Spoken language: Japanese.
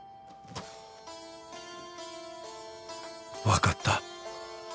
分かった